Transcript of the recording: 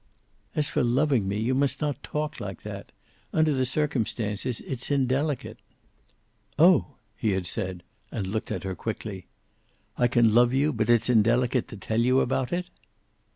"As for loving me, you must not talk like that. Under the circumstances, it's indelicate." "Oh!" he had said, and looked at her quickly. "I can love you, but it's indelicate to tell you about it!"